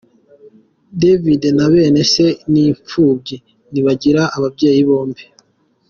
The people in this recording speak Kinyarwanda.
David na bene se ni imfubyi, ntibagira ababyeyi bombi.